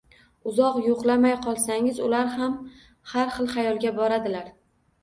Uzoq yoʻqlamay qolsangiz, ular ham xal xir xayolga boradilar